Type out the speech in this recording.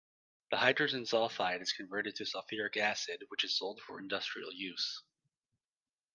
The hydrogen sulphide is converted to sulphuric acid which is sold for industrial use.